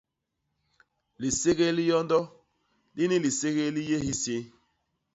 Liségél li yondo; lini liségél li yé hisii.